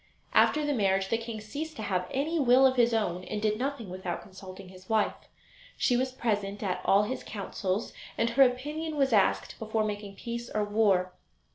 After the marriage the king ceased to have any will of his own and did nothing without consulting his wife. She was present at all his councils, and her opinion was asked before making peace or war.